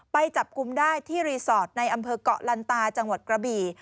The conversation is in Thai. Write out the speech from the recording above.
ไปจับกลุ่มได้ที่รีสอร์ทในอำเภอกเกาะลันตาจังหวัดกระบี่